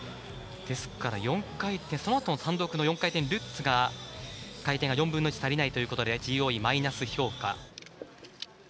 ですから４回転そのあとの単独の４回転ルッツが回転が４分の１足りないということでＧＯＥマイナス評価。